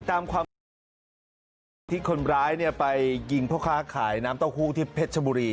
ตามความที่คนร้ายเนี่ยไปยิงพ่อค้าขายน้ำเต้าหู้ที่เพชรชมุรี